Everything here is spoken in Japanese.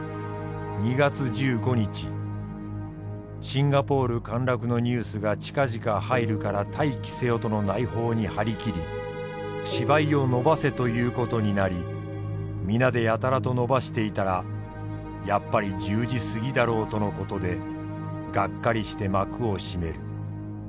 シンガポール陥落のニュースが近々入るから待機せよとの内報に張り切り芝居を延ばせということになり皆でやたらと延ばしていたらやっぱり１０時過ぎだろうとのことでがっかりして幕を閉める。